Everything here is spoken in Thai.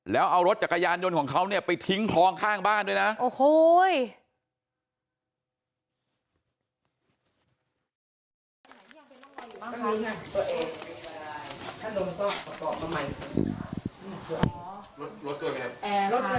แล้วเอารถจักรยานยนต์ของเขาเนี่ยไปทิ้งคลองข้างบ้านด้วยนะโอ้โห